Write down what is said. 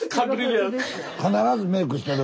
必ずメークしてる。